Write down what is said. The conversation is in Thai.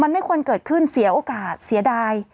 มันไม่ควรเกิดขึ้นเสียโอกาสเสียดาย